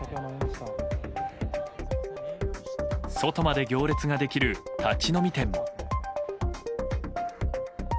外まで行列ができる立ち飲み店も。